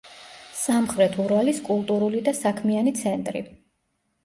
სამხრეთ ურალის კულტურული და საქმიანი ცენტრი.